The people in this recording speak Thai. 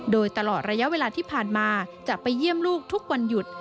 โดยตลอดระยะเวลาที่ผ่านมาจะไปเยี่ยมลูกทุกวันหยุด